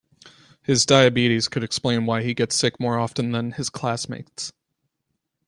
His diabetes could explain why he gets sick more often then his classmates.